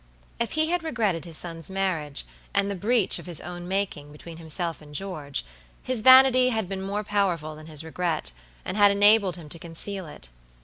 If he had regretted his son's marriage, and the breach of his own making, between himself and George, his vanity had been more powerful than his regret, and had enabled him to conceal it.